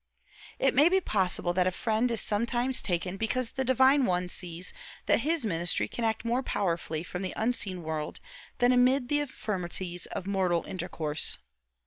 It may be possible that a friend is sometimes taken because the divine One sees that his ministry can act more powerfully from the unseen world than amid the infirmities of mortal intercourse.